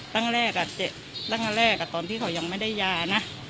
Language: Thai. ตั้งกะแรกอะตอนที่เขายังไม่ได้ยา